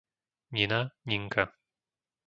Nina, Ninka